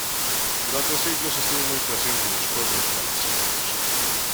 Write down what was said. Durante siglos estuvo muy presente en los pueblos valencianos.